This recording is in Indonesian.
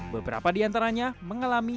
beberapa di antaranya mengalami